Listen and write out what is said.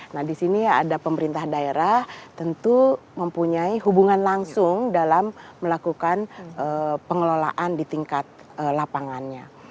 nah di sini ada pemerintah daerah tentu mempunyai hubungan langsung dalam melakukan pengelolaan di tingkat lapangannya